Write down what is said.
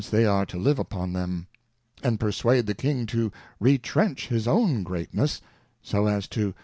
loi they are to live upon them ; and perswade the King to retrench his own Greatness, so as .to.